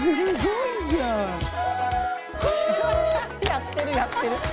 やってるやってる！